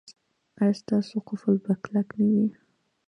ایا ستاسو قفل به کلک نه وي؟